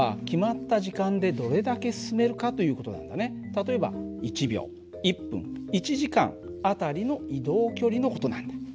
例えば１秒１分１時間あたりの移動距離の事なんだ。